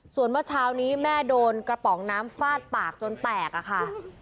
ส่วนเมื่อเช้านี้แม่โดนกระป๋องน้ำฟาดปากจนแตกอะค่ะ